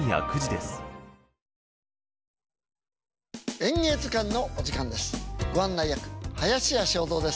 「演芸図鑑」のお時間です。